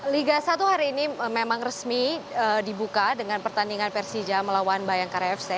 liga satu hari ini memang resmi dibuka dengan pertandingan persija melawan bayangkara fc